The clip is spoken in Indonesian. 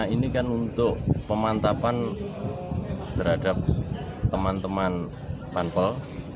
ini kan untuk pemantapan terhadap teman teman panpel